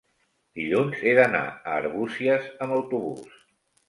dilluns he d'anar a Arbúcies amb autobús.